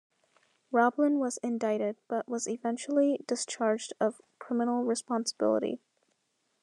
Roblin was indicted, but was eventually discharged of criminal responsibility.